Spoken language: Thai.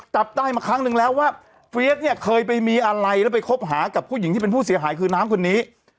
จับได้มาครั้งนึงแล้วว่าเฟียสเนี่ยเคยไปมีอะไรแล้วไปคบหากับผู้หญิงที่เป็นผู้เสียหายคือน้ำคนนี้